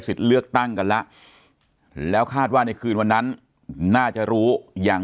เลือกตั้งกันแล้วแล้วคาดว่าในคืนวันนั้นน่าจะรู้อย่าง